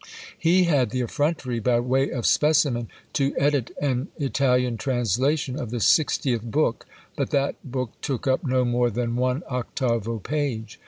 He had the effrontery, by way of specimen, to edit an Italian translation of the sixtieth book, but that book took up no more than one octavo page!